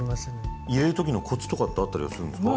入れる時のコツとかってあったりするんですか？